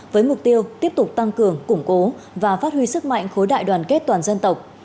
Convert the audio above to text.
với mục tiêu tiếp tục tăng cường củng cố và phát huy sức mạnh khối đại đoàn kết toàn dân tộc